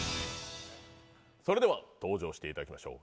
それでは登場していただきましょう。